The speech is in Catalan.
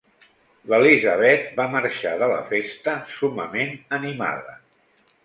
L'Elizabeth va marxar de la festa summament animada.